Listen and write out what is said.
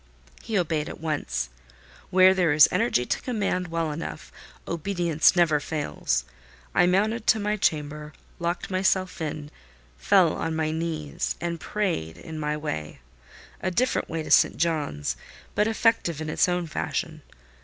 He obeyed at once. Where there is energy to command well enough, obedience never fails. I mounted to my chamber; locked myself in; fell on my knees; and prayed in my way—a different way to St. John's, but effective in its own fashion.